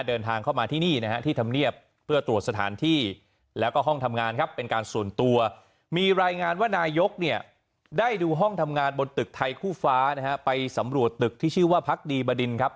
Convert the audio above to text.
เดินทางเข้ามาที่นี่นะฮะที่ทำเนียบเพื่อตรวจสถานที่แล้วก็ห้องทำงานครับเป็นการส่วนตัวมีรายงานว่านายกเนี่ยได้ดูห้องทำงานบนตึกไทยคู่ฟ้านะฮะไปสำรวจตึกที่ชื่อว่าพักดีบดินครับ